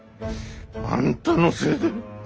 あんたのせいで。